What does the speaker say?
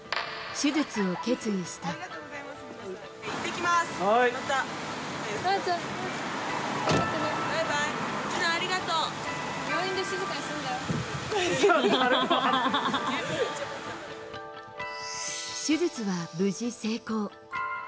手術は無事成功。